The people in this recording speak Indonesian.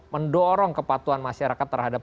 mendorong kepatuhan masyarakat terhadap